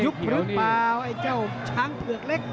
หรือเปล่าไอ้เจ้าช้างเผือกเล็ก